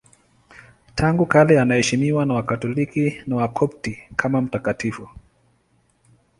Tangu kale anaheshimiwa na Wakatoliki na Wakopti kama mtakatifu.